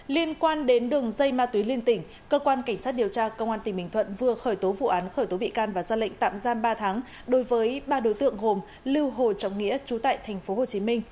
liên quan đến đường dây ma túy liên tỉnh cơ quan cảnh sát điều tra công an tỉnh bình thuận vừa khởi tố vụ án khởi tố bị can và ra lệnh tạm giam ba tháng đối với ba đối tượng gồm lưu hồ trọng nghĩa chú tại tp hcm